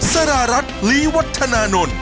สารรัฐลีวัฒนานนท์